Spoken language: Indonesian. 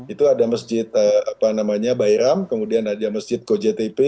itu ada masjid bayram kemudian ada masjid gojtp